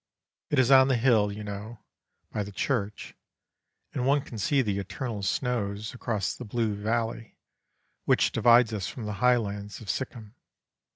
It is on the hill, you know, by the church, and one can see the eternal snows across that blue valley which divides us from the highlands of Sikkim.